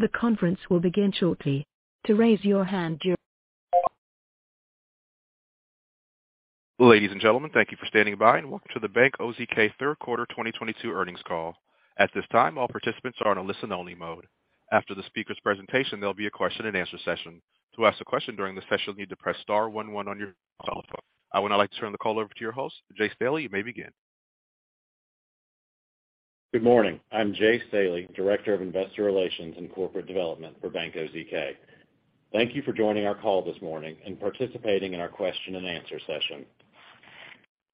Ladies and gentlemen, thank you for standing by, and welcome to the Bank OZK third quarter 2022 earnings call. At this time, all participants are in a listen-only mode. After the speaker's presentation, there'll be a question-and-answer session. To ask a question during the session, you'll need to press star one one on your telephone. I would now like to turn the call over to your host, Jay Staley. You may begin. Good morning. I'm Jay Staley, Director of Investor Relations and Corporate Development for Bank OZK. Thank you for joining our call this morning and participating in our question-and-answer session.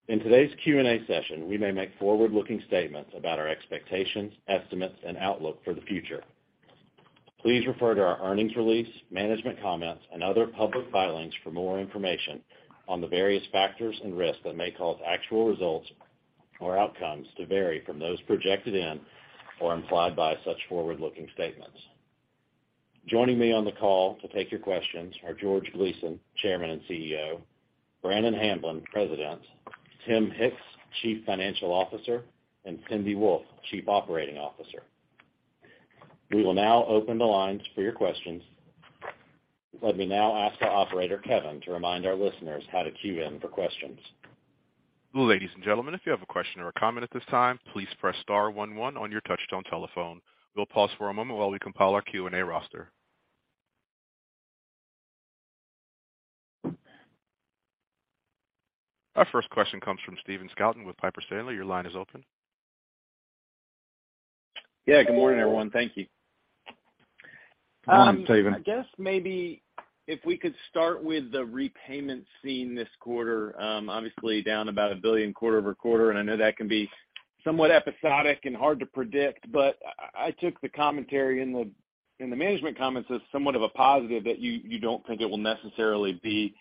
In today's Q&A session, we may make forward-looking statements about our expectations, estimates, and outlook for the future. Please refer to our earnings release, management comments, and other public filings for more information on the various factors and risks that may cause actual results or outcomes to vary from those projected in or implied by such forward-looking statements. Joining me on the call to take your questions are George Gleason, Chairman and CEO, Brannon Hamblen, President, Tim Hicks, Chief Financial Officer, and Cindy Wolfe, Chief Operating Officer. We will now open the lines for your questions. Let me now ask our operator, Kevin, to remind our listeners how to queue in for questions. Ladies and gentlemen, if you have a question or a comment at this time, please press star one one on your touchtone telephone. We'll pause for a moment while we compile our Q&A roster. Our first question comes from Stephen Scouten with Piper Sandler. Your line is open. Yeah, good morning, everyone. Thank you. Go on, Stephen. I guess maybe if we could start with the repayments seen this quarter, obviously down about $1 billion quarter-over-quarter, and I know that can be somewhat episodic and hard to predict, but I took the commentary in the management comments as somewhat of a positive that you don't think it will necessarily be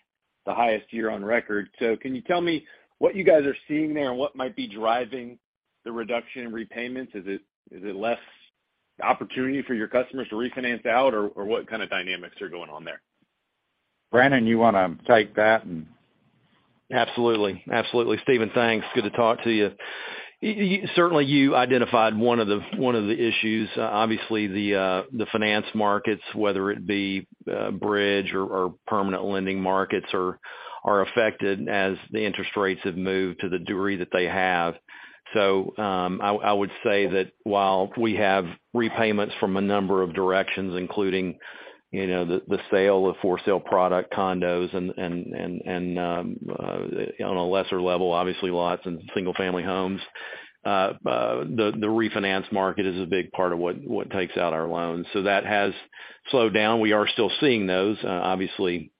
the highest year on record. Can you tell me what you guys are seeing there and what might be driving the reduction in repayments? Is it less opportunity for your customers to refinance out, or what kind of dynamics are going on there? Brannon, you wanna take that and Absolutely. Stephen, thanks. Good to talk to you. Certainly, you identified one of the issues. Obviously, the finance markets, whether it be bridge or permanent lending markets, are affected as the interest rates have moved to the degree that they have. I would say that while we have repayments from a number of directions, including, you know, the sale of for-sale product condos and on a lesser level, obviously, lots and single-family homes, the refinance market is a big part of what takes out our loans. That has slowed down. We are still seeing those. Obviously,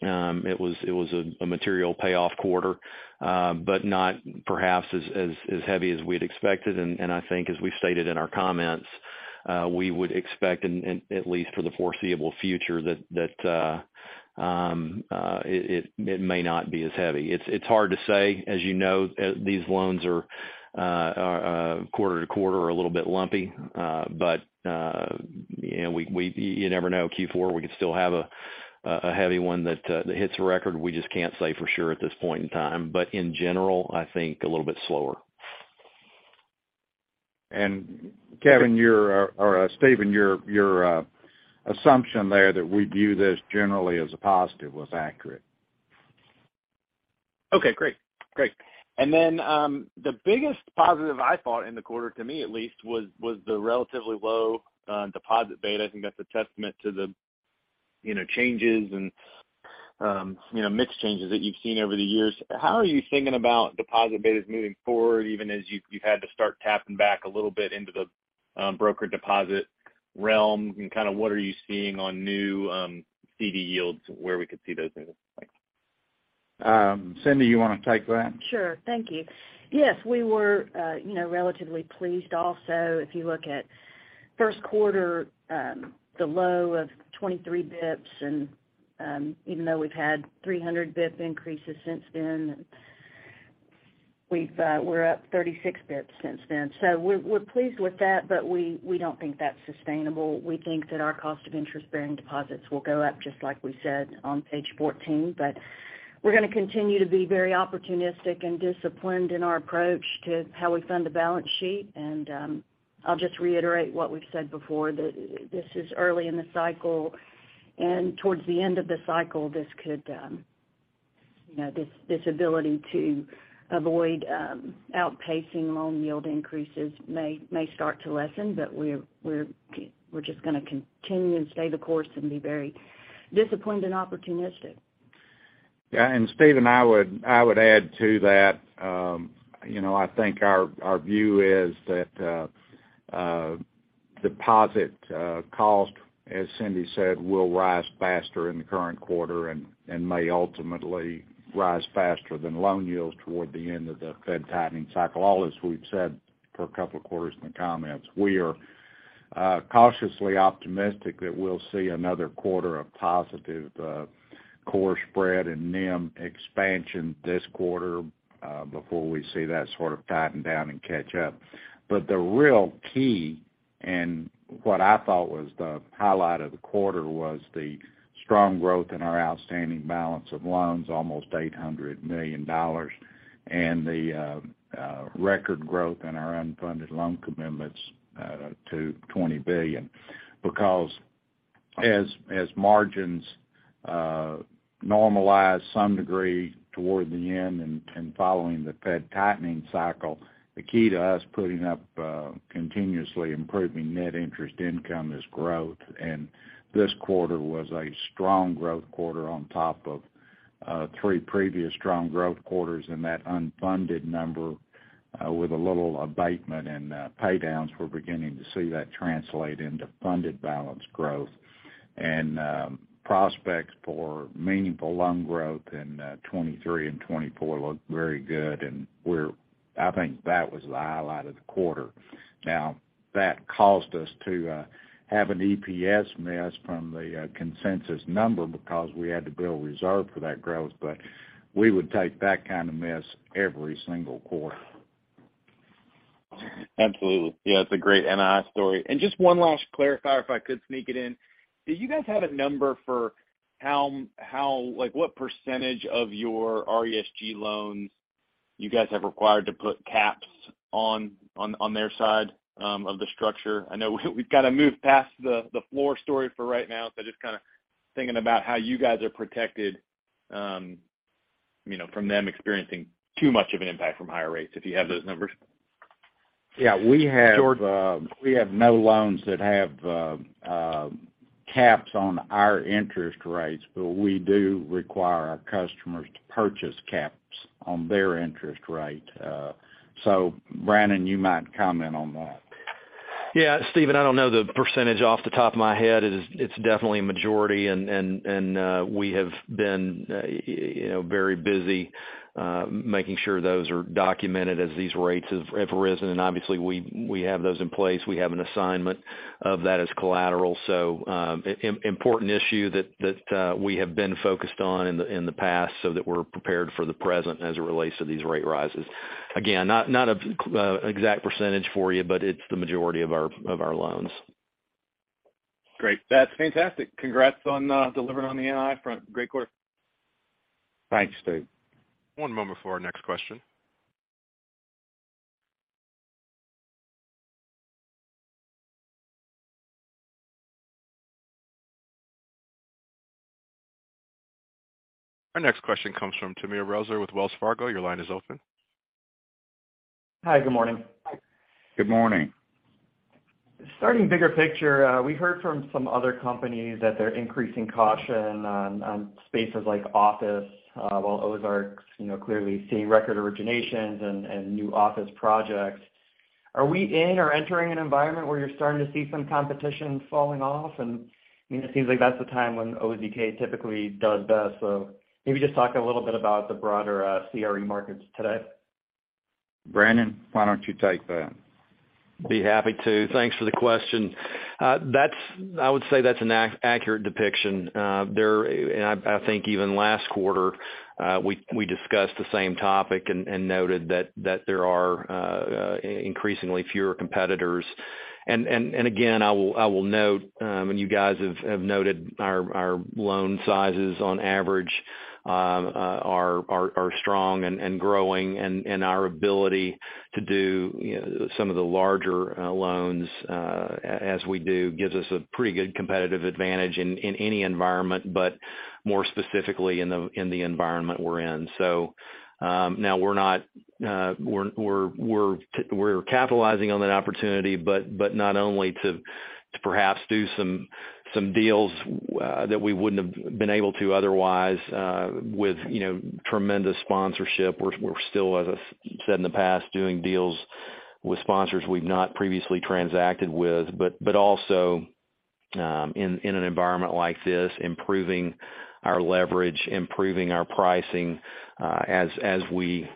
it was a material payoff quarter, but not perhaps as heavy as we'd expected. I think as we stated in our comments, we would expect and at least for the foreseeable future that it may not be as heavy. It's hard to say. As you know, these loans are quarter to quarter a little bit lumpy. You know, you never know, Q4, we could still have a heavy one that hits a record. We just can't say for sure at this point in time. In general, I think a little bit slower. Stephen, your assumption there that we view this generally as a positive was accurate. Okay, great. The biggest positive I thought in the quarter, to me at least, was the relatively low deposit beta. I think that's a testament to the, you know, changes and, you know, mix changes that you've seen over the years. How are you thinking about deposit betas moving forward, even as you've had to start tapping back a little bit into the brokered deposit realm, and kinda what are you seeing on new CD yields, where we could see those moving? Thanks. Cindy, you wanna take that? Sure. Thank you. Yes, we were, you know, relatively pleased also. If you look at first quarter, the low of 23 basis points and, even though we've had 300 basis point increases since then, we're up 36 basis points since then. So we're pleased with that, but we don't think that's sustainable. We think that our cost of interest-bearing deposits will go up, just like we said on page 14. We're gonna continue to be very opportunistic and disciplined in our approach to how we fund the balance sheet. I'll just reiterate what we've said before, that this is early in the cycle and towards the end of the cycle, this could, you know, this ability to avoid outpacing loan yield increases may start to lessen, but we're just gonna continue and stay the course and be very disciplined and opportunistic. Yeah, Stephen, I would add to that. You know, I think our view is that deposit cost, as Cindy said, will rise faster in the current quarter and may ultimately rise faster than loan yields toward the end of the Fed tightening cycle. All as we've said for a couple of quarters in the comments. We are cautiously optimistic that we'll see another quarter of positive core spread and NIM expansion this quarter before we see that sort of tighten down and catch up. The real key, and what I thought was the highlight of the quarter was the strong growth in our outstanding balance of loans, almost $800 million, and the record growth in our unfunded loan commitments to $20 billion. As margins normalize some degree toward the end and following the Fed tightening cycle, the key to us putting up continuously improving net interest income is growth. This quarter was a strong growth quarter on top of three previous strong growth quarters in that unfunded number with a little abatement in pay downs. We're beginning to see that translate into funded balance growth. Prospects for meaningful loan growth in 2023 and 2024 look very good, and I think that was the highlight of the quarter. Now, that caused us to have an EPS miss from the consensus number because we had to build reserve for that growth, but we would take that kind of miss every single quarter. Absolutely. Yeah, it's a great NI story. Just one last clarifier if I could sneak it in. Do you guys have a number for how, like what percentage of your RESG loans you guys have required to put caps on their side of the structure? I know we've got to move past the floor story for right now, so just kinda thinking about how you guys are protected, you know, from them experiencing too much of an impact from higher rates, if you have those numbers. Yeah, we have. George? We have no loans that have caps on our interest rates, but we do require our customers to purchase caps on their interest rate. Brannon, you might comment on that. Yeah, Stephen, I don't know the percentage off the top of my head. It's definitely a majority and we have been, you know, very busy making sure those are documented as these rates have risen. Obviously we have those in place. We have an assignment of that as collateral. Important issue that we have been focused on in the past so that we're prepared for the present as it relates to these rate rises. Again, not an exact percentage for you, but it's the majority of our loans. Great. That's fantastic. Congrats on delivering on the NI front. Great quarter. Thanks, Stephen. One moment for our next question. Our next question comes from Timur Braziler with Wells Fargo. Your line is open. Hi. Good morning. Good morning. Starting bigger picture, we heard from some other companies that they're increasing caution on spaces like office, while Bank OZK, you know, clearly seeing record originations and new office projects. Are we in or entering an environment where you're starting to see some competition falling off? And it seems like that's the time when OZK typically does best. Maybe just talk a little bit about the broader CRE markets today. Brannon, why don't you take that? be happy to. Thanks for the question. That's an accurate depiction. I think even last quarter, we discussed the same topic and again, I will note, and you guys have noted our loan sizes on average are strong and growing, and our ability to do some of the larger loans as we do gives us a pretty good competitive advantage in any environment, but more specifically in the environment we're in. Now we're capitalizing on that opportunity, but not only to perhaps do some deals that we wouldn't have been able to otherwise, with you know, tremendous sponsorship. We're still, as I said in the past, doing deals with sponsors we've not previously transacted with. Also, in an environment like this, improving our leverage, improving our pricing, as we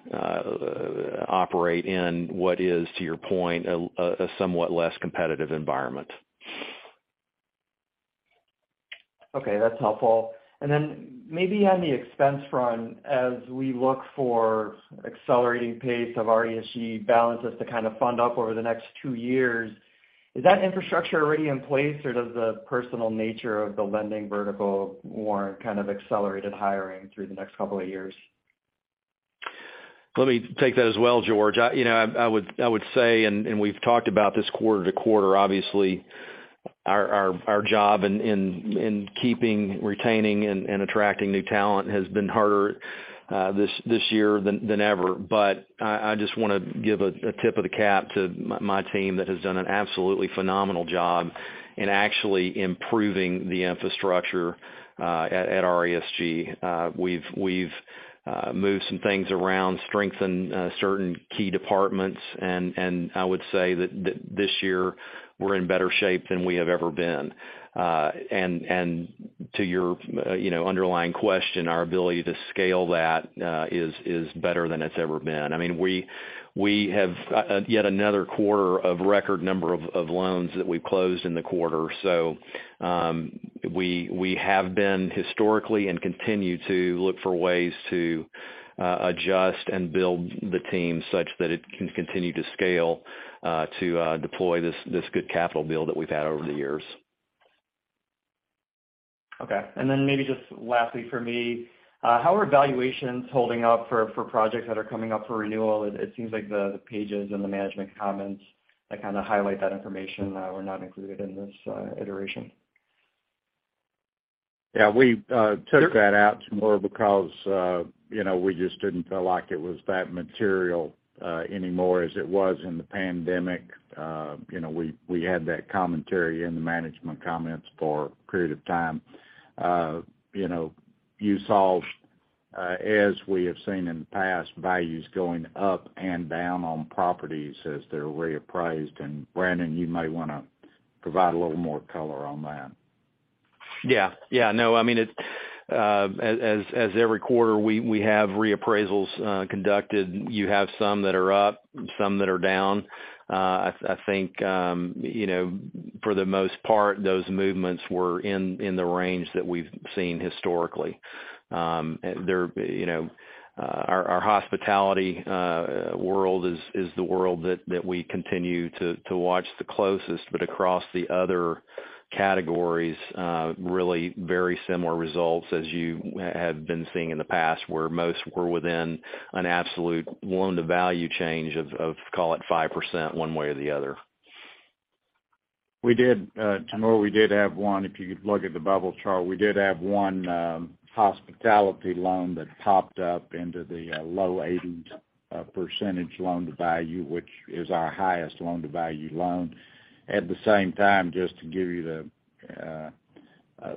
operate in what is, to your point, a somewhat less competitive environment. Okay, that's helpful. Maybe on the expense front, as we look for accelerating pace of RESG balances to kind of fund up over the next two years, is that infrastructure already in place, or does the personnel nature of the lending vertical warrant kind of accelerated hiring through the next couple of years? Let me take that as well, George. You know, I would say, we've talked about this quarter-over-quarter, obviously, our job in keeping, retaining and attracting new talent has been harder this year than ever. I just wanna give a tip of the cap to my team that has done an absolutely phenomenal job in actually improving the infrastructure at RESG. We've moved some things around, strengthened certain key departments, and I would say that this year we're in better shape than we have ever been. To your, you know, underlying question, our ability to scale that is better than it's ever been. I mean, we have yet another quarter of record number of loans that we've closed in the quarter. We have been historically and continue to look for ways to adjust and build the team such that it can continue to scale to deploy this good capital build that we've had over the years. Okay. Maybe just lastly for me, how are valuations holding up for projects that are coming up for renewal? It seems like the pages and the management comments that kind of highlight that information were not included in this iteration. Yeah, we took that out, Timur, because, you know, we just didn't feel like it was that material, anymore as it was in the pandemic. You know, we had that commentary in the management comments for a period of time. You know, you saw, as we have seen in the past, values going up and down on properties as they're reappraised. Brannon Hamblen, you may wanna provide a little more color on that. Yeah. Yeah. No, I mean, it as every quarter, we have reappraisals conducted. You have some that are up, some that are down. I think, you know, for the most part, those movements were in the range that we've seen historically. There, you know, our hospitality world is the world that we continue to watch the closest. But across the other categories, really very similar results as you have been seeing in the past, where most were within an absolute loan-to-value change of, call it 5% one way or the other. We did, Timur. If you look at the bubble chart, we did have one hospitality loan that popped up into the low 80s loan-to-value percentage, which is our highest loan-to-value loan. At the same time, just to give you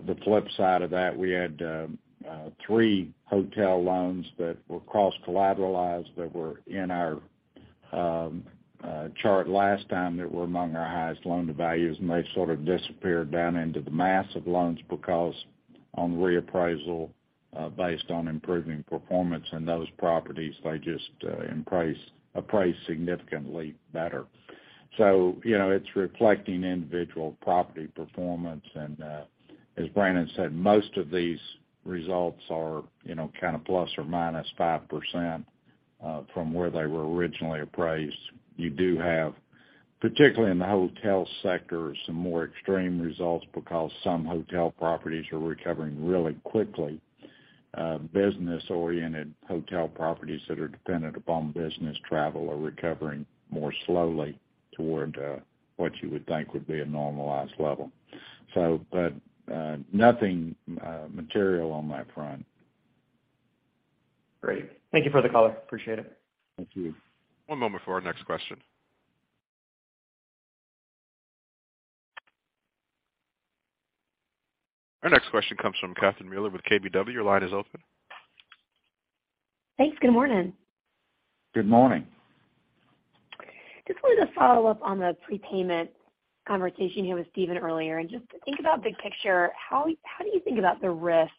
the flip side of that, we had three hotel loans that were cross-collateralized that were in our chart last time that were among our highest loan-to-values, and they sort of disappeared down into the mass of loans because on reappraisal, based on improving performance in those properties, they just in price appraised significantly better. You know, it's reflecting individual property performance. As Brannon said, most of these results are, you know, kind of plus or minus 5% from where they were originally appraised. You do have, particularly in the hotel sector, some more extreme results because some hotel properties are recovering really quickly. Business-oriented hotel properties that are dependent upon business travel are recovering more slowly toward what you would think would be a normalized level. Nothing material on that front. Great. Thank you for the color. Appreciate it. Thank you. One moment for our next question. Our next question comes from Catherine Mealor with KBW. Your line is open. Thanks. Good morning. Good morning. Just wanted to follow up on the prepayment conversation you had with Stephen earlier, and just think about big picture, how do you think about the risk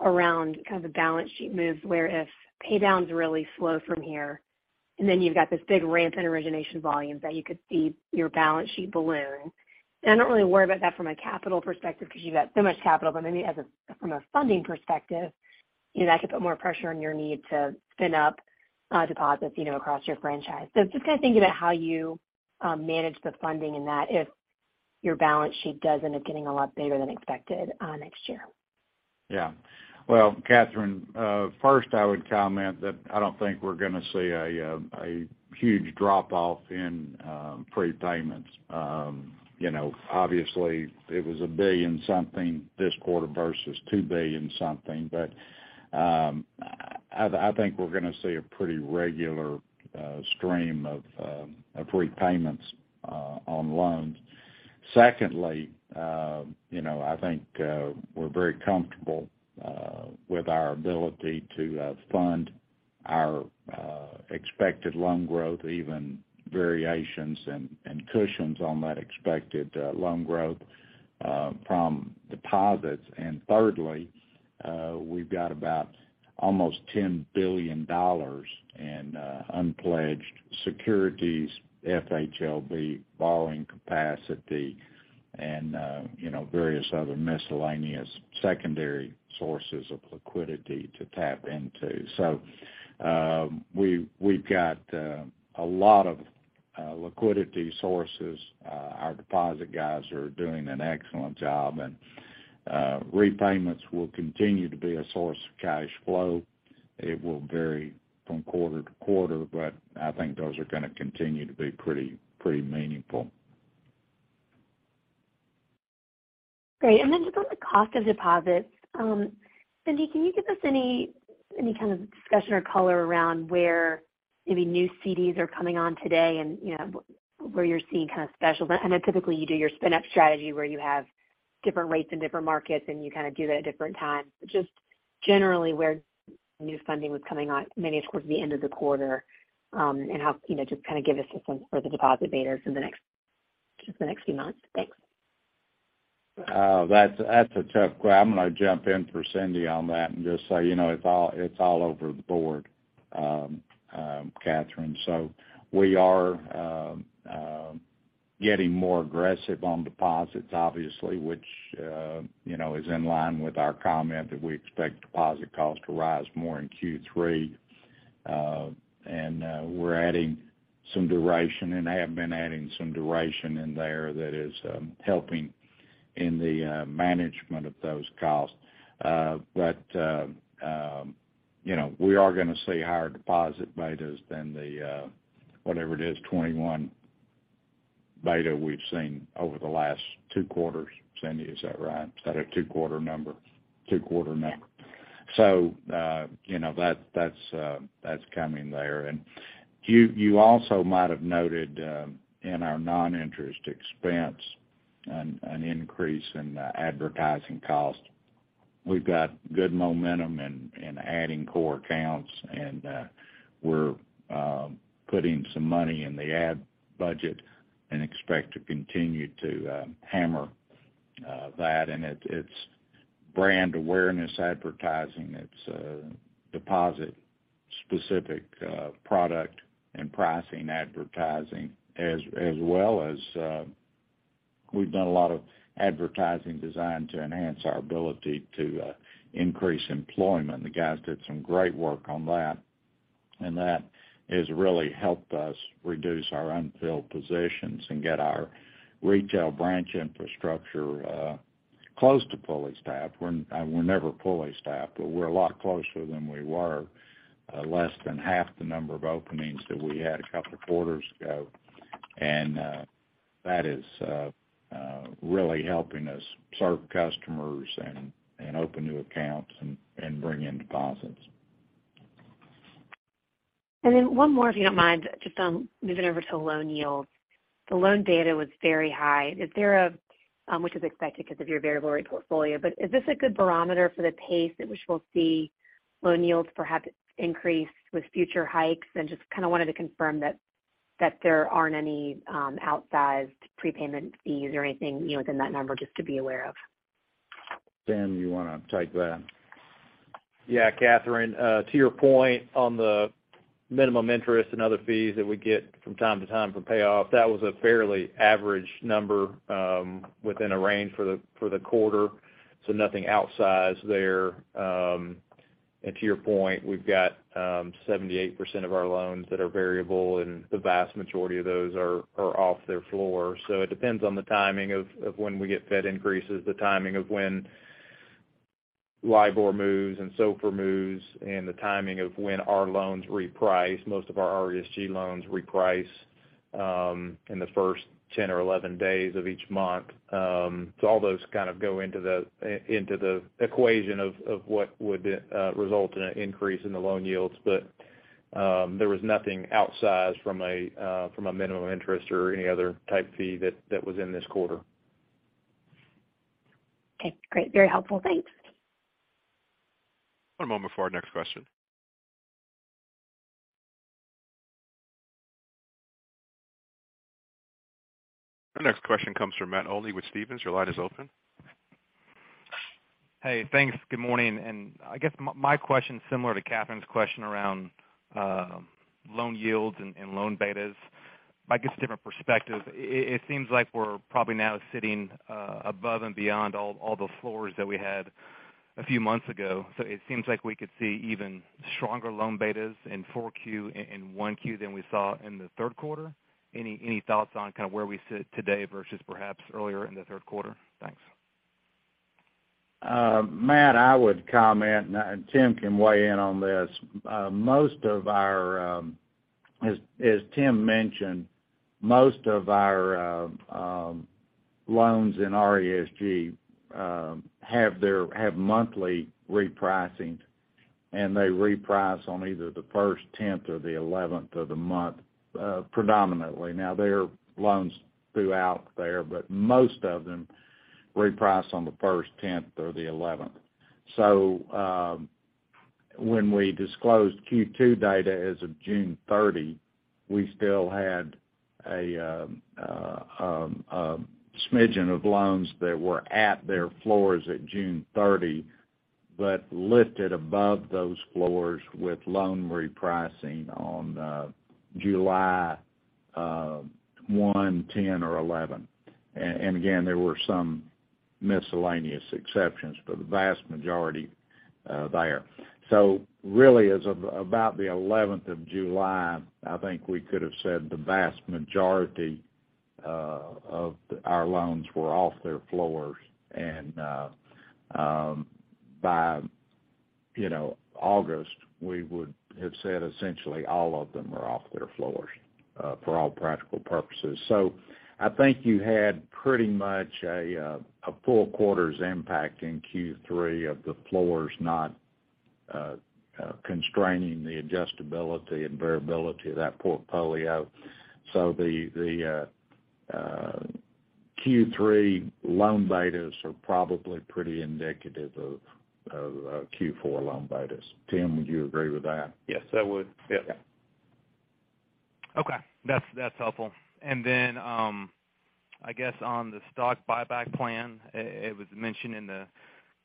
around kind of the balance sheet moves where if pay downs really slow from here, and then you've got this big ramp in origination volumes that you could see your balance sheet balloon? I don't really worry about that from a capital perspective because you've got so much capital. Maybe from a funding perspective, you know, that could put more pressure on your need to spin up, deposits, you know, across your franchise. Just kind of thinking about how you manage the funding in that if your balance sheet does end up getting a lot bigger than expected, next year. Well, Catherine Mealor, first I would comment that I don't think we're gonna see a huge drop-off in prepayments. You know, obviously it was $1 billion something this quarter versus $2 billion something. I think we're gonna see a pretty regular stream of prepayments on loans. Secondly, you know, I think we're very comfortable with our ability to fund our expected loan growth, even variations and cushions on that expected loan growth from deposits. Thirdly, we've got about almost $10 billion in unpledged securities, FHLB borrowing capacity and you know, various other miscellaneous secondary sources of liquidity to tap into. We've got a lot of liquidity sources. Our deposit guys are doing an excellent job, and repayments will continue to be a source of cash flow. It will vary from quarter to quarter, but I think those are gonna continue to be pretty meaningful. Great. Just on the cost of deposits, Cindy, can you give us any kind of discussion or color around where maybe new CDs are coming on today and, you know, where you're seeing kind of specials? I know typically you do your spin up strategy where you have different rates in different markets and you kind of do that at different times. Just generally, where new funding was coming on maybe towards the end of the quarter, and how, you know, just kind of give us a sense for the deposit betas in the next, just the next few months. Thanks. I'm gonna jump in for Cindy on that and just say, you know, it's all over the board, Catherine. We are getting more aggressive on deposits obviously, which, you know, is in line with our comment that we expect deposit costs to rise more in Q3. We're adding some duration and have been adding some duration in there that is helping in the management of those costs. But, you know, we are gonna see higher deposit betas than the whatever it is, 21 beta we've seen over the last 2 quarters. Cindy, is that right? Is that a two-quarter number? Yeah. You know, that's coming there. You also might have noted in our noninterest expense an increase in advertising costs. We've got good momentum in adding core accounts, and we're putting some money in the ad budget and expect to continue to hammer that. It's brand awareness advertising. It's deposit-specific product and pricing advertising, as well as we've done a lot of advertising designed to enhance our ability to increase employment. The guys did some great work on that, and that has really helped us reduce our unfilled positions and get our retail branch infrastructure close to fully staffed. We're never fully staffed, but we're a lot closer than we were, less than half the number of openings that we had a couple of quarters ago. That is really helping us serve customers and open new accounts and bring in deposits. One more, if you don't mind, just on moving over to loan yields. The loan data was very high, which is expected because of your variable rate portfolio, but is this a good barometer for the pace at which we'll see loan yields perhaps increase with future hikes? Just kind of wanted to confirm that there aren't any outsized prepayment fees or anything, you know, within that number just to be aware of. Tim, you wanna take that? Yeah. Catherine, to your point on the minimum interest and other fees that we get from time to time from payoff, that was a fairly average number, within a range for the quarter, so nothing outsized there. To your point, we've got 78% of our loans that are variable, and the vast majority of those are off their floor. It depends on the timing of when we get Fed increases, the timing of when LIBOR moves and SOFR moves, and the timing of when our loans reprice. Most of our RESG loans reprice in the first 10 or 11 days of each month. All those kind of go into the equation of what would result in an increase in the loan yields. There was nothing outsized from a noninterest or any other type fee that was in this quarter. Okay, great. Very helpful. Thanks. One moment before our next question. Our next question comes from Matt Olney with Stephens. Your line is open. Hey, thanks. Good morning. I guess my question is similar to Catherine's question around loan yields and loan betas. I guess a different perspective. It seems like we're probably now sitting above and beyond all the floors that we had a few months ago. It seems like we could see even stronger loan betas in 4Q and 1Q than we saw in the third quarter. Any thoughts on kind of where we sit today versus perhaps earlier in the third quarter? Thanks. Matt, I would comment, and Tim can weigh in on this. As Tim mentioned, most of our loans in RESG have monthly repricing, and they reprice on either the first, tenth, or the eleventh of the month, predominantly. Now, there are loans throughout there, but most of them reprice on the first, tenth, or the eleventh. When we disclosed Q2 data as of June 30, we still had a smidgen of loans that were at their floors at June 30, but lifted above those floors with loan repricing on July 1, 10, or 11. Again, there were some miscellaneous exceptions, but the vast majority there. Really as of about the eleventh of July, I think we could have said the vast majority of our loans were off their floors. By, you know, August, we would have said essentially all of them are off their floors for all practical purposes. I think you had pretty much a full quarter's impact in Q3 of the floors not constraining the adjustability and variability of that portfolio. The Q3 loan betas are probably pretty indicative of Q4 loan betas. Tim, would you agree with that? Yes, I would. Yeah. Yeah. Okay. That's helpful. I guess on the stock buyback plan, it was mentioned in the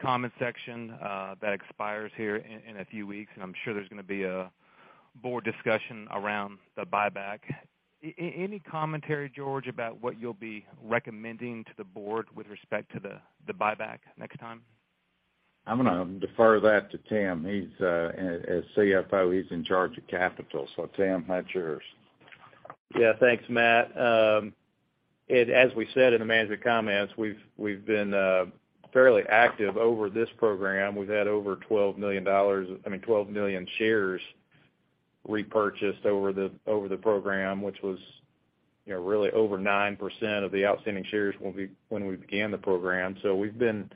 comment section that expires here in a few weeks, and I'm sure there's gonna be a board discussion around the buyback. Any commentary, George, about what you'll be recommending to the board with respect to the buyback next time? I'm gonna defer that to Tim. He's as CFO, he's in charge of capital. Tim, that's yours. Yeah, thanks, Matt. As we said in the management comments, we've been fairly active over this program. We've had over 12 million shares repurchased over the program, which was, you know, really over 9% of the outstanding shares when we began the program. We've been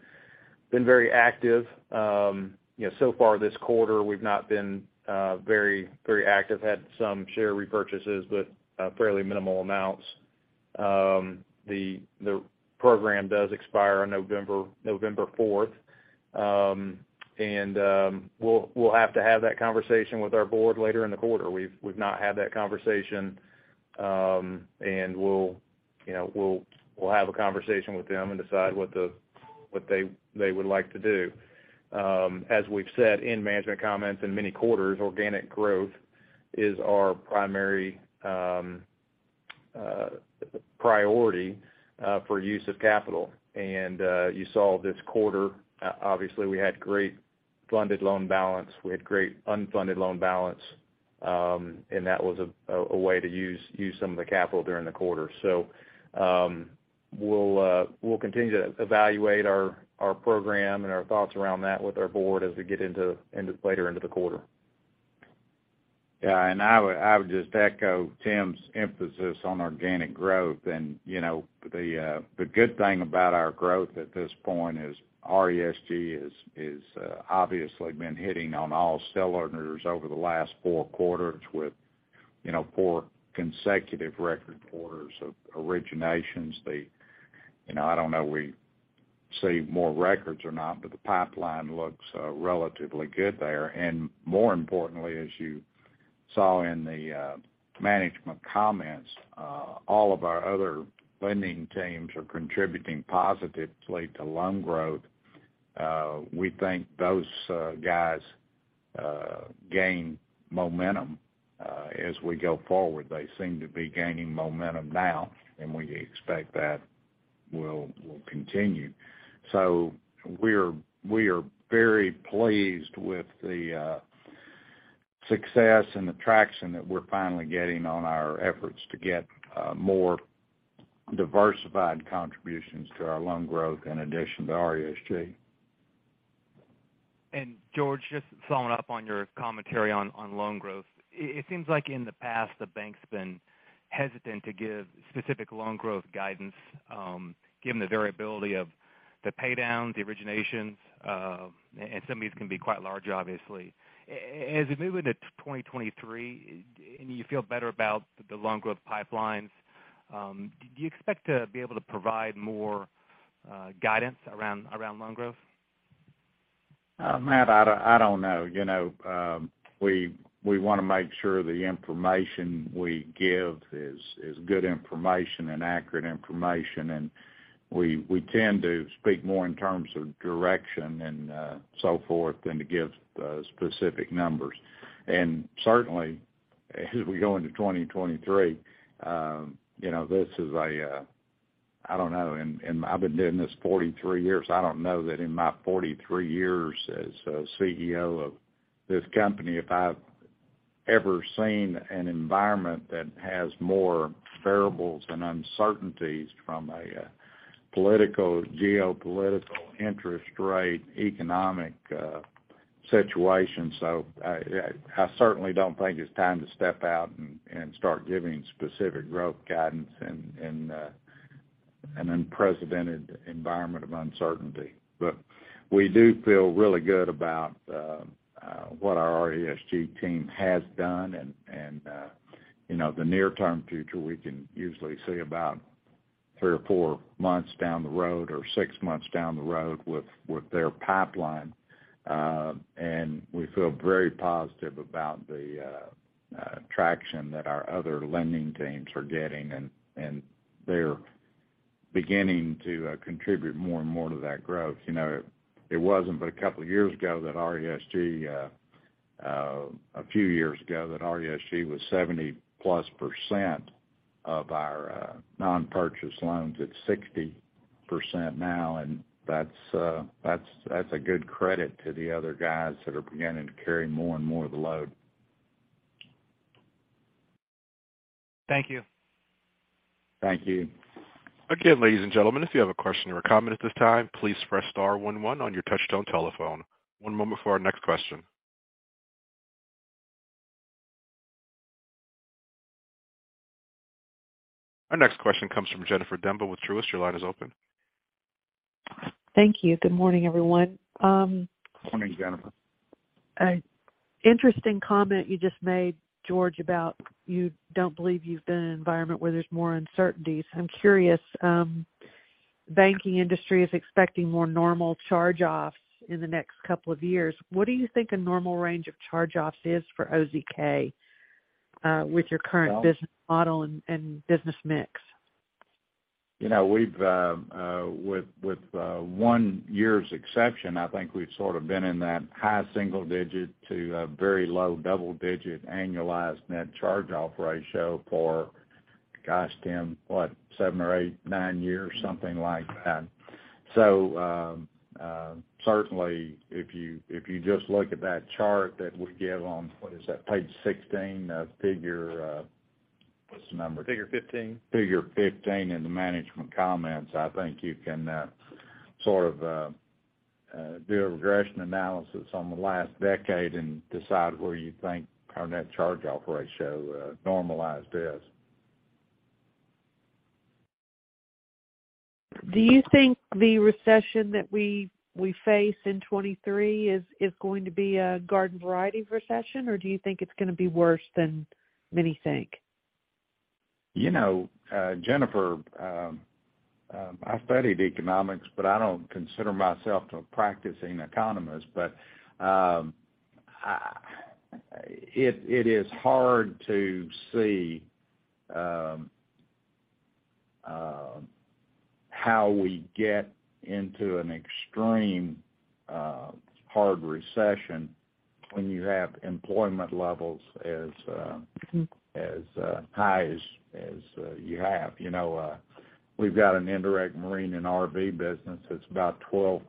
very active. You know, so far this quarter, we've not been very active. Had some share repurchases, but fairly minimal amounts. The program does expire on November fourth. We'll have to have that conversation with our board later in the quarter. We've not had that conversation. We'll have a conversation with them and decide what they would like to do. As we've said in management comments in many quarters, organic growth is our primary priority for use of capital. You saw this quarter, obviously we had great funded loan balance, we had great unfunded loan balance, and that was a way to use some of the capital during the quarter. We'll continue to evaluate our program and our thoughts around that with our board as we get into later into the quarter. Yeah. I would just echo Tim's emphasis on organic growth. You know, the good thing about our growth at this point is RESG has obviously been hitting on all cylinders over the last four quarters with, you know, four consecutive record quarters of originations. You know, I don't know if we see more records or not, but the pipeline looks relatively good there. More importantly, as you saw in the management comments, all of our other lending teams are contributing positively to loan growth. We think those guys gain momentum as we go forward. They seem to be gaining momentum now, and we expect that will continue. We are very pleased with the success and the traction that we're finally getting on our efforts to get more diversified contributions to our loan growth in addition to RESG. George, just following up on your commentary on loan growth. It seems like in the past, the bank's been hesitant to give specific loan growth guidance, given the variability of the pay downs, the originations, and some of these can be quite large, obviously. As we move into 2023, and you feel better about the loan growth pipelines, do you expect to be able to provide more guidance around loan growth? Matt, I don't know. You know, we wanna make sure the information we give is good information and accurate information, and we tend to speak more in terms of direction and so forth than to give specific numbers. Certainly, as we go into 2023, you know, this is a I don't know. I've been doing this 43 years. I don't know that in my 43 years as CEO of this company, if I've ever seen an environment that has more variables and uncertainties from a political, geopolitical interest rate, economic situation. I certainly don't think it's time to step out and start giving specific growth guidance in an unprecedented environment of uncertainty. We do feel really good about what our RESG team has done. You know, in the near-term future, we can usually see about three or four months down the road or six months down the road with their pipeline. We feel very positive about the traction that our other lending teams are getting, and they're beginning to contribute more and more to that growth. You know, it wasn't but a couple of years ago that RESG was 70%+ of our non-purchase loans. It's 60% now, and that's a good credit to the other guys that are beginning to carry more and more of the load. Thank you. Thank you. Again, ladies and gentlemen, if you have a question or a comment at this time, please press star one one on your touchtone telephone. One moment for our next question. Our next question comes from Jennifer Demba with Truist. Your line is open. Thank you. Good morning, everyone. Morning, Jennifer. An interesting comment you just made, George, about you don't believe you've been in an environment where there's more uncertainties. I'm curious, banking industry is expecting more normal charge-offs in the next couple of years. What do you think a normal range of charge-offs is for OZK, with your current business model and business mix? You know, we've with one year's exception, I think we've sort of been in that high single digit to a very low double digit annualized net charge-off ratio. Gosh, Tim, what? Seven or eight, nine years, something like that. Certainly, if you just look at that chart that we give on, what is that, page 16 of figure, what's the number? Figure 15. Figure 15 in the management comments, I think you can sort of do a regression analysis on the last decade and decide where you think our net charge-off ratio normalized is. Do you think the recession that we face in 2023 is going to be a garden variety of recession? Or do you think it's gonna be worse than many think? You know, Jennifer, I studied economics, but I don't consider myself a practicing economist. It is hard to see how we get into an extreme hard recession when you have employment levels as high as you have. You know, we've got an indirect marine and RV business that's about 12%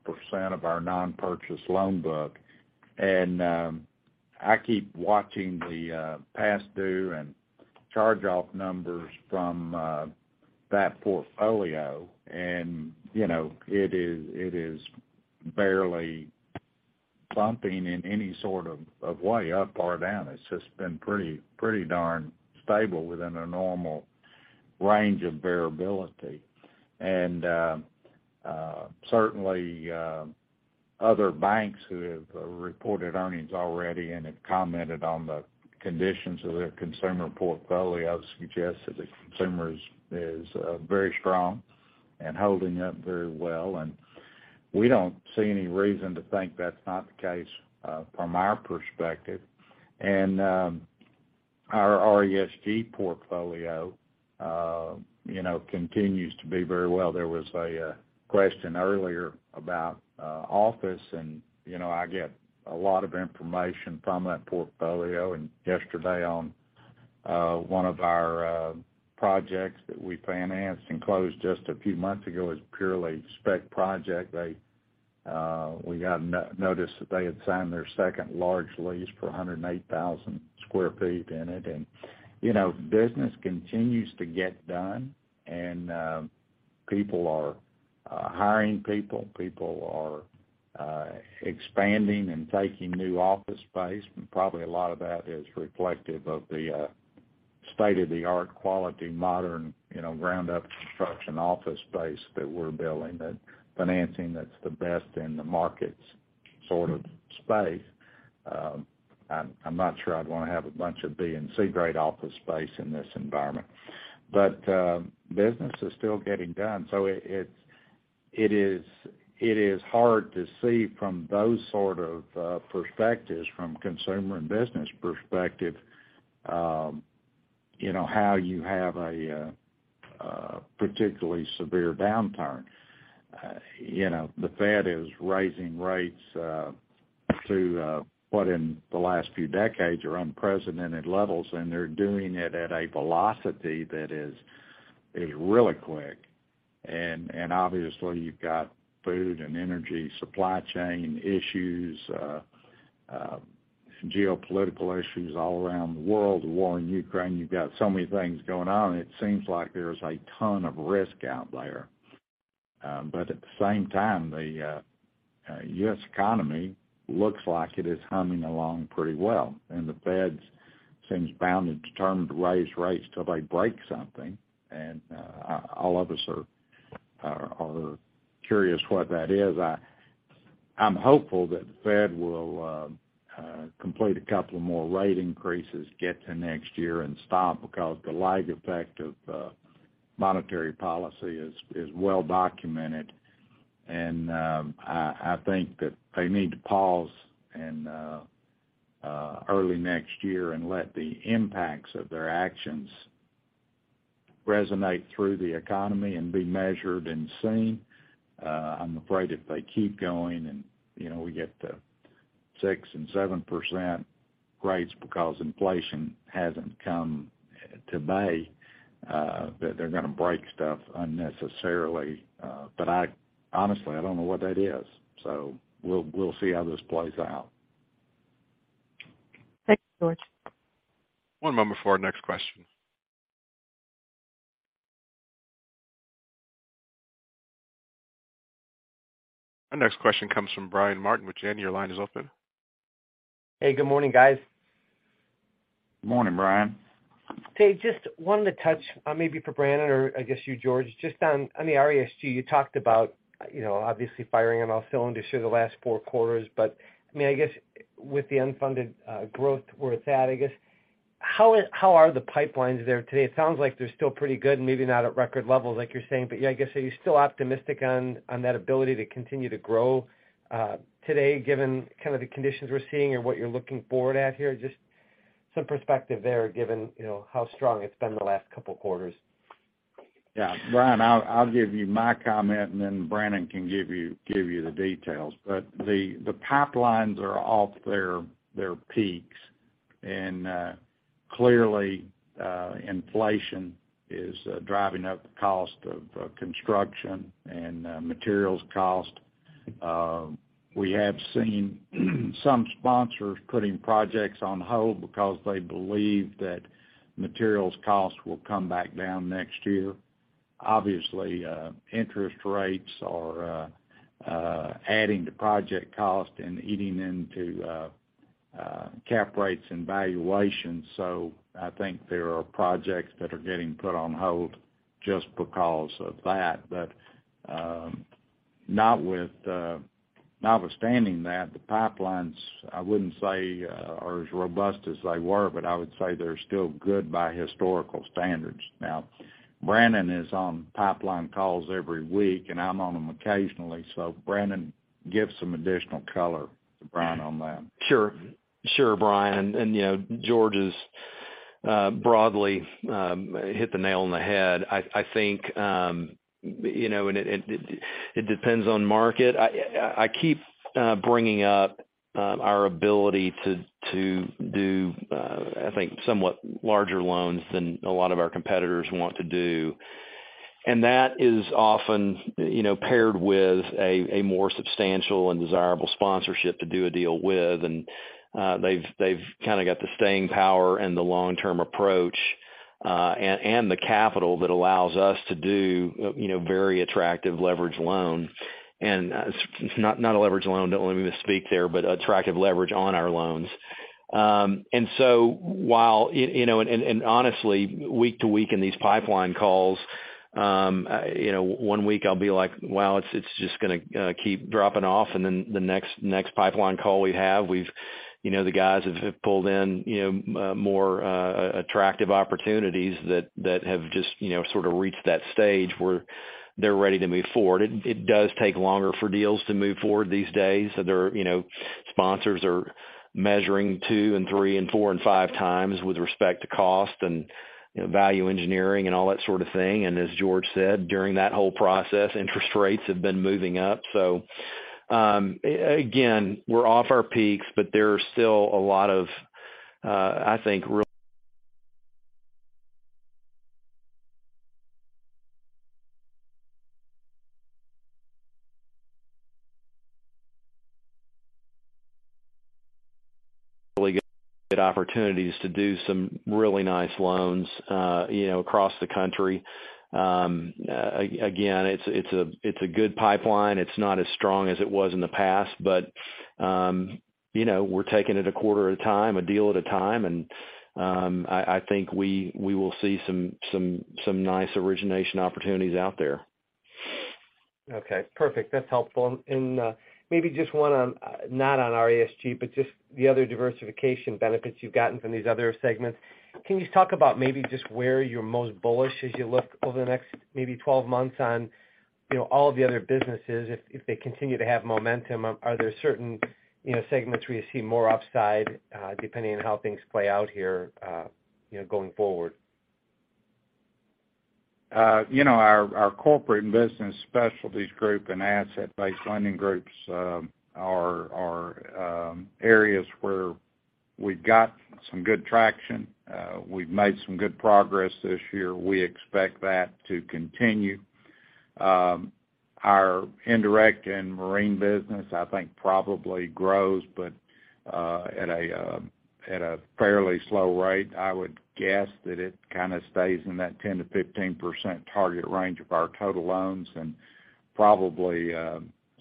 of our non-purchase loan book. I keep watching the past due and charge-off numbers from that portfolio. You know, it is barely bumping in any sort of way, up or down. It's just been pretty darn stable within a normal range of variability. Certainly, other banks who have reported earnings already and have commented on the conditions of their consumer portfolio suggest that the consumer is very strong and holding up very well. We don't see any reason to think that's not the case, from our perspective. Our RESG portfolio, you know, continues to be very well. There was a question earlier about office. You know, I get a lot of information from that portfolio. Yesterday on one of our projects that we financed and closed just a few months ago as a purely spec project, we got notice that they had signed their second large lease for 108,000 sq ft in it. You know, business continues to get done and, people are hiring people. People are expanding and taking new office space, and probably a lot of that is reflective of the state-of-the-art quality, modern, you know, ground-up construction office space that we're building. The financing that's the best in the markets sort of space. I'm not sure I'd wanna have a bunch of B and C grade office space in this environment. Business is still getting done, so it's hard to see from those sort of perspectives, from consumer and business perspective, you know, how you have a particularly severe downturn. You know, the Fed is raising rates to what in the last few decades are unprecedented levels, and they're doing it at a velocity that is really quick. Obviously, you've got food and energy supply chain issues, geopolitical issues all around the world, the war in Ukraine. You've got so many things going on. It seems like there's a ton of risk out there. At the same time, the U.S. economy looks like it is humming along pretty well. The Fed seems bound and determined to raise rates till they break something. All of us are curious what that is. I'm hopeful that the Fed will complete a couple more rate increases, get to next year and stop because the lag effect of monetary policy is well documented. I think that they need to pause in early next year and let the impacts of their actions resonate through the economy and be measured and seen. I'm afraid if they keep going and, you know, we get to 6% and 7% rates because inflation hasn't abated, that they're gonna break stuff unnecessarily. Honestly, I don't know what that is. We'll see how this plays out. Thanks, George. One moment before our next question. Our next question comes from Brian Martin with Janney. Your line is open. Hey, good morning, guys. Good morning, Brian. Hey, just wanted to touch maybe for Brannon or I guess you, George, just on the RESG. You talked about, you know, obviously firing on all cylinders through the last four quarters. I mean, I guess with the unfunded growth where it's at, I guess, how are the pipelines there today? It sounds like they're still pretty good, maybe not at record levels like you're saying. Yeah, I guess, are you still optimistic on that ability to continue to grow today, given kind of the conditions we're seeing or what you're looking forward at here? Just some perspective there, given, you know, how strong it's been the last couple quarters. Yeah. Brian, I'll give you my comment, and then Brannon can give you the details. The pipelines are off their peaks, and clearly, inflation is driving up the cost of construction and materials cost. We have seen some sponsors putting projects on hold because they believe that materials costs will come back down next year. Obviously, interest rates are adding to project cost and eating into cap rates and valuations. I think there are projects that are getting put on hold just because of that. Notwithstanding that, the pipelines, I wouldn't say are as robust as they were, but I would say they're still good by historical standards. Now, Brannon is on pipeline calls every week, and I'm on them occasionally. Brannon, give some additional color to Brian on that. Sure. Sure, Brian, you know, George has broadly hit the nail on the head. I think, you know, it depends on market. I keep bringing up our ability to do, I think, somewhat larger loans than a lot of our competitors want to do. That is often, you know, paired with a more substantial and desirable sponsorship to do a deal with. They've kind of got the staying power and the long-term approach, and the capital that allows us to do, you know, very attractive leverage loans. Not a leverage loan, don't want me to speak there, but attractive leverage on our loans. While you know and honestly, week to week in these pipeline calls, you know, one week I'll be like: "Wow, it's just gonna keep dropping off." Then the next pipeline call we have, we've you know, the guys have pulled in, you know, more attractive opportunities that have just you know, sort of reached that stage where they're ready to move forward. It does take longer for deals to move forward these days. There are you know, sponsors are measuring 2x and 3x and 4x and 5x with respect to cost and you know, value engineering and all that sort of thing. As George said, during that whole process, interest rates have been moving up. Again, we're off our peaks, but there are still a lot of, I think, really good opportunities to do some really nice loans, you know, across the country. Again, it's a good pipeline. It's not as strong as it was in the past, but, you know, we're taking it a quarter at a time, a deal at a time. I think we will see some nice origination opportunities out there. Okay. Perfect. That's helpful. Maybe just one on not on RESG, but just the other diversification benefits you've gotten from these other segments. Can you talk about maybe just where you're most bullish as you look over the next maybe 12 months on, you know, all of the other businesses, if they continue to have momentum? Are there certain, you know, segments where you see more upside, depending on how things play out here, you know, going forward? You know, our corporate and business specialties group and asset-based lending groups are areas where we've got some good traction. We've made some good progress this year. We expect that to continue. Our indirect and marine business, I think, probably grows, but at a fairly slow rate. I would guess that it kind of stays in that 10%-15% target range of our total loans and probably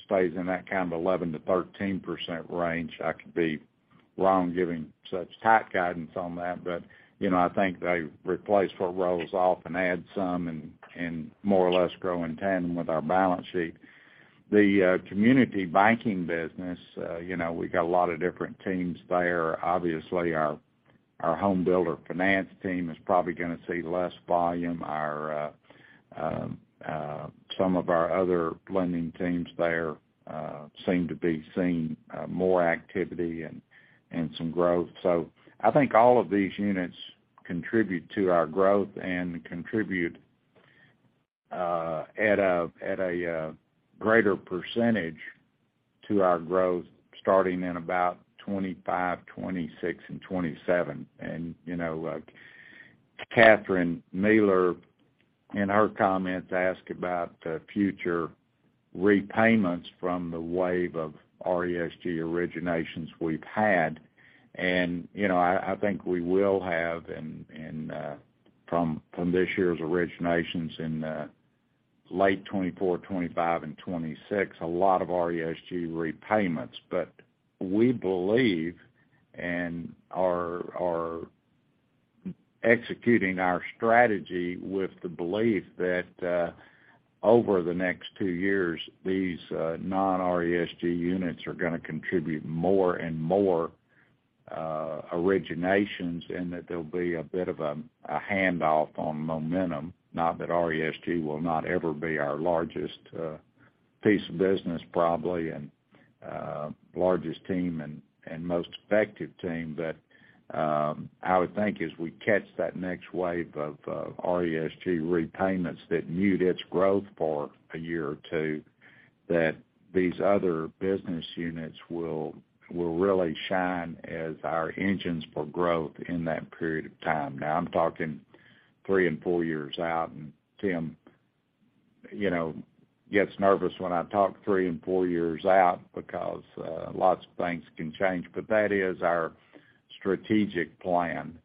stays in that kind of 11%-13% range. I could be wrong giving such tight guidance on that, but you know, I think they replace what rolls off and add some and more or less grow in tandem with our balance sheet. The community banking business, you know, we've got a lot of different teams there. Obviously, our home builder finance team is probably gonna see less volume. Some of our other lending teams there seem to be seeing more activity and some growth. I think all of these units contribute to our growth and contribute at a greater percentage to our growth starting in about 2025, 2026 and 2027. You know, Catherine Mealor, in her comments, asked about the future repayments from the wave of RESG originations we've had. You know, I think we will have and from this year's originations in late 2024, 2025 and 2026, a lot of RESG repayments. We believe and are executing our strategy with the belief that over the next two years these non-RESG units are gonna contribute more and more originations, and that there'll be a bit of a handoff on momentum, not that RESG will not ever be our largest piece of business probably, and largest team and most effective team. I would think as we catch that next wave of RESG repayments that mute its growth for a year or two, that these other business units will really shine as our engines for growth in that period of time. Now, I'm talking three and four years out, and Tim, you know, gets nervous when I talk three and four years out because lots of things can change. That is our strategic plan,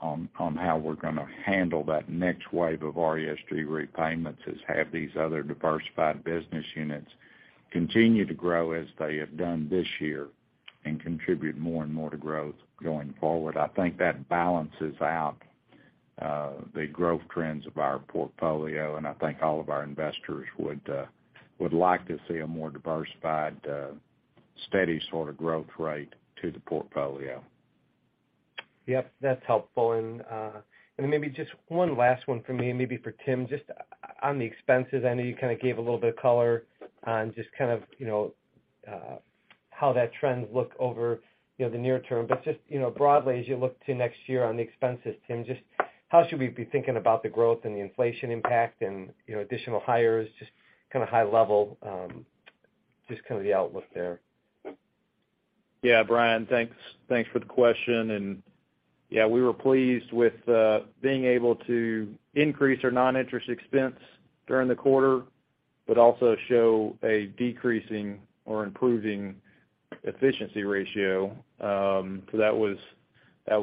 on how we're gonna handle that next wave of RESG repayments, is have these other diversified business units continue to grow as they have done this year and contribute more and more to growth going forward. I think that balances out the growth trends of our portfolio, and I think all of our investors would like to see a more diversified, steady sort of growth rate to the portfolio. Yep, that's helpful. Maybe just one last one for me and maybe for Tim. Just on the expenses, I know you kind of gave a little bit of color on just kind of, you know, how that trend look over, you know, the near term. Just, you know, broadly, as you look to next year on the expenses, Tim, just how should we be thinking about the growth and the inflation impact and, you know, additional hires, just kind of high level, just kind of the outlook there. Yeah. Brian, thanks. Thanks for the question. Yeah, we were pleased with being able to increase our non-interest expense during the quarter, but also show a decreasing or improving efficiency ratio. That was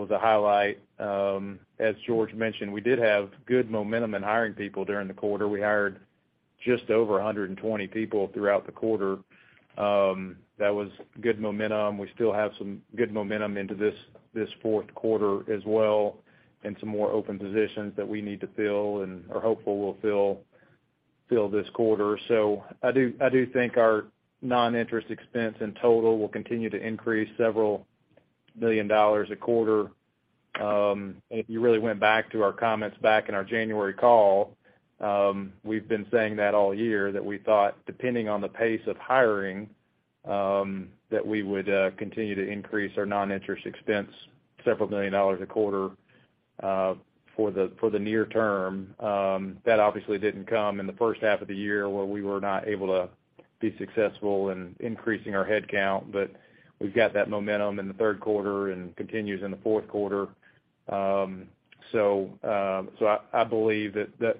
a highlight. As George mentioned, we did have good momentum in hiring people during the quarter. We hired just over 120 people throughout the quarter. That was good momentum. We still have some good momentum into this fourth quarter as well, and some more open positions that we need to fill and are hopeful we'll fill this quarter. I do think our non-interest expense in total will continue to increase several million dollars a quarter. If you really went back to our comments back in our January call, we've been saying that all year that we thought, depending on the pace of hiring, that we would continue to increase our non-interest expense several million dollars a quarter for the near term. That obviously didn't come in the first half of the year where we were not able to be successful in increasing our head count. We've got that momentum in the third quarter and continues in the fourth quarter. I believe that that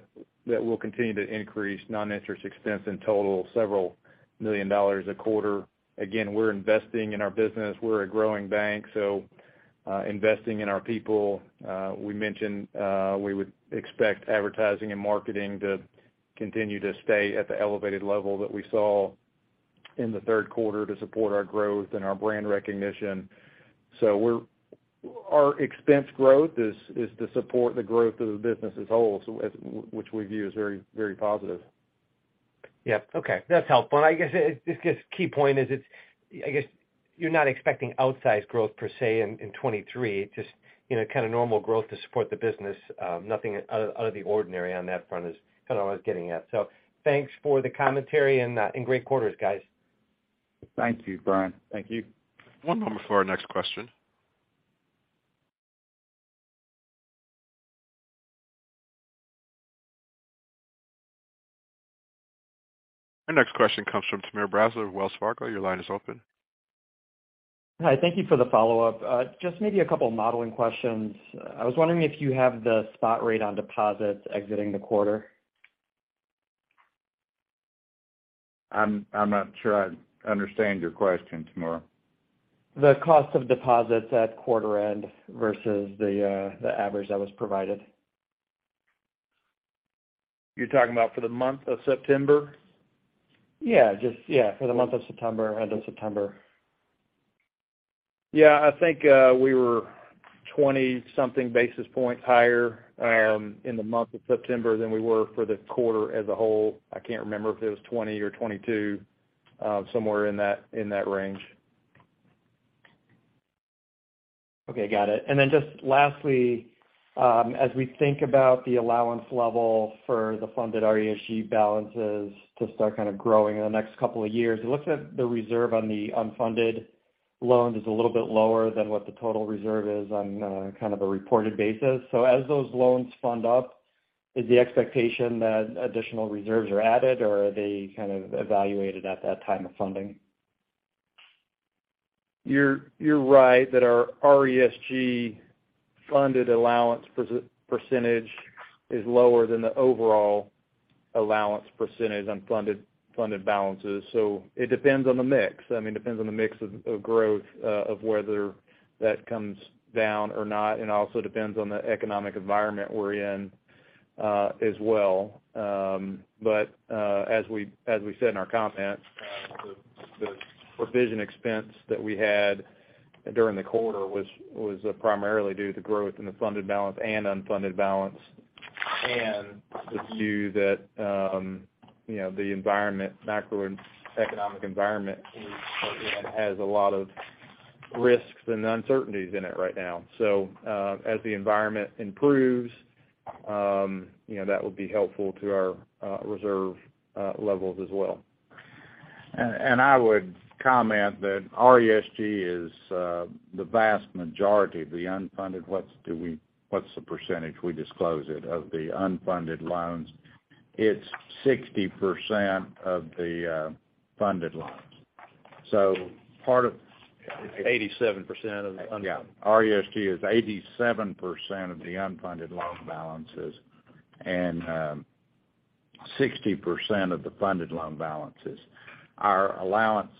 will continue to increase non-interest expense in total several million dollars a quarter. Again, we're investing in our business. We're a growing bank, investing in our people. We mentioned we would expect advertising and marketing to continue to stay at the elevated level that we saw in the third quarter to support our growth and our brand recognition. Our expense growth is to support the growth of the business as a whole, which we view as very, very positive. Yep. Okay. That's helpful. I guess it's just the key point is it's. I guess you're not expecting outsized growth per se in 2023, just you know kind of normal growth to support the business. Nothing out of the ordinary on that front is kind of what I was getting at. Thanks for the commentary and great quarters, guys. Thank you, Brian. Thank you. One moment for our next question. Our next question comes from Timur Braziler of Wells Fargo. Your line is open. Hi. Thank you for the follow-up. Just maybe a couple of modeling questions. I was wondering if you have the spot rate on deposits exiting the quarter. I'm not sure I understand your question, Timur. The cost of deposits at quarter end versus the average that was provided. You're talking about for the month of September? Yeah, just, yeah, for the month of September, end of September. Yeah. I think we were 20-something basis points higher in the month of September than we were for the quarter as a whole. I can't remember if it was 20 or 22 somewhere in that range. Okay, got it. Just lastly, as we think about the allowance level for the funded RESG balances to start kind of growing in the next couple of years, it looks like the reserve on the unfunded loans is a little bit lower than what the total reserve is on, kind of a reported basis. As those loans fund up, is the expectation that additional reserves are added, or are they kind of evaluated at that time of funding? You're right that our RESG funded allowance percentage is lower than the overall allowance percentage on funded balances. It depends on the mix of growth of whether that comes down or not, and also depends on the economic environment we're in as well. As we said in our comments, the provision expense that we had during the quarter was primarily due to growth in the funded balance and unfunded balance, and the view that you know the environment, macroeconomic environment has a lot of risks and uncertainties in it right now. As the environment improves, you know that will be helpful to our reserve levels as well. I would comment that RESG is the vast majority of the unfunded. What's the percentage we disclose it of the unfunded loans? It's 60% of the funded loans. Part of 87% of the unfunded. Yeah. RESG is 87% of the unfunded loan balances and 60% of the funded loan balances. Our allowance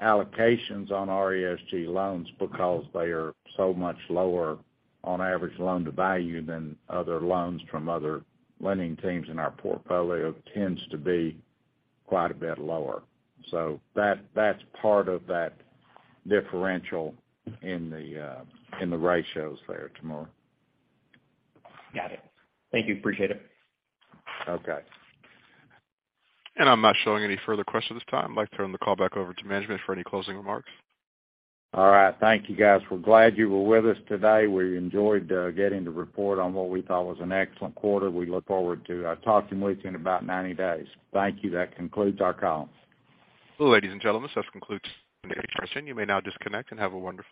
allocations on RESG loans, because they are so much lower on average loan-to-value than other loans from other lending teams in our portfolio, tends to be quite a bit lower. That, that's part of that differential in the, in the ratios there, Timur. Got it. Thank you. Appreciate it. Okay. I'm not showing any further questions at this time. I'd like to turn the call back over to management for any closing remarks. All right. Thank you, guys. We're glad you were with us today. We enjoyed getting to report on what we thought was an excellent quarter. We look forward to talking with you in about 90 days. Thank you. That concludes our call. Ladies and gentlemen, this concludes today's discussion. You may now disconnect and have a wonderful day.